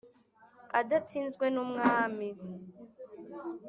adatsinzwe n'umwami